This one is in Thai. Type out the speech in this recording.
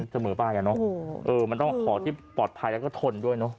จะเหมือนกันเนอะเออมันต้องขอที่ปลอดภัยแล้วก็ทนด้วยเนอะ